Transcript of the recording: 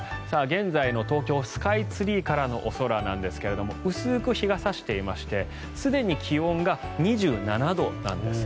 現在の東京スカイツリーからのお空なんですけど薄く日が差していましてすでに気温が２７度なんです。